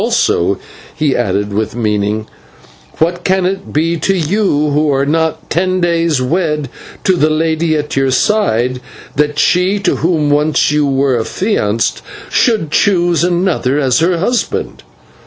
Also," he added, with meaning, "what can it be to you, who are not ten days wed to the lady at your side, that she to whom once you were affianced should choose another as her husband?"